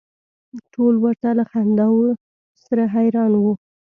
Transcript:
ټول ورته له خنداوو سره حیران و.